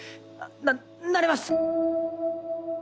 ななれます！